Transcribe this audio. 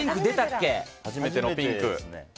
初めてのピンク。